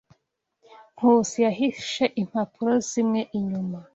Nkusi yahishe impapuro zimwe inyuma.